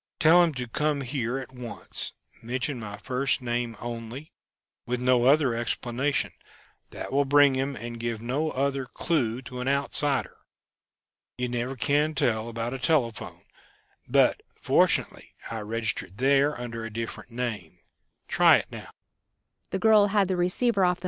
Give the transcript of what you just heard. Tell him to come here at once mention my first name only, with no other explanation that will bring him and give no other clew to an outsider. You never can tell about a telephone. But fortunately, I registered there under a different name. Try it now."